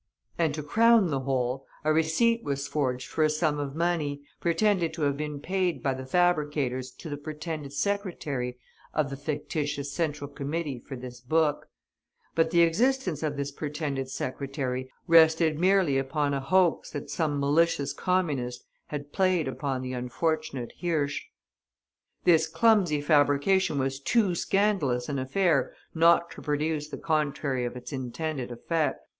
And, to crown the whole, a receipt was forged for a sum of money, pretended to have been paid by the fabricators to the pretended secretary of the fictitious Central Committee for this book; but the existence of this pretended secretary rested merely upon a hoax that some malicious Communist had played upon the unfortunate Hirsch. This clumsy fabrication was too scandalous an affair not to produce the contrary of its intended effect.